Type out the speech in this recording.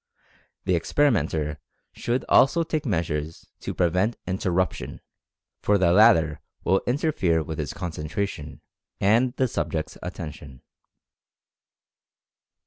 The experimenter should also take measures to prevent interruption, for the lat ter will interfere with his concentration, and the sub ject's attention.